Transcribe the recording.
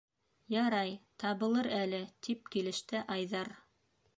- Ярай, табылыр әле, - тип килеште Айҙар.